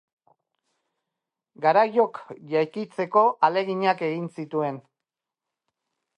Garaiok jaikitzeko ahaleginak egin zituen.